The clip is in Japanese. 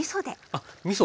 あっみそ。